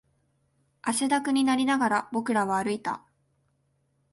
汗だくになりながら、僕らは歩いた